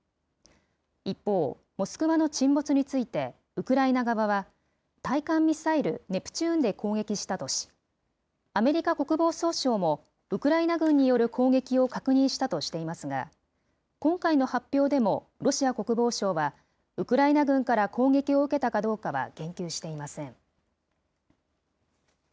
一方、モスクワの沈没についてウクライナ側は、対艦ミサイル、ネプチューンで攻撃したとし、アメリカ国防総省もウクライナ軍による攻撃を確認したとしていますが、今回の発表でも、ロシア国防省はウクライナ軍から攻撃を受けたかどうかは言及していません。